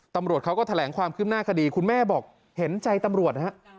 ตำรวจเขาก็แถลงความคืบหน้าคดีคุณแม่บอกเห็นใจตำรวจนะฮะ